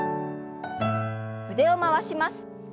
腕を回します。